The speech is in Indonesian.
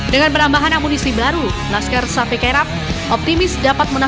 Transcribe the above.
dengan perambahan amunisi baru laskar sapi kerab optimis dapat menang